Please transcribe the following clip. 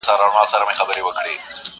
زمري وویل خوږې کوې خبري؛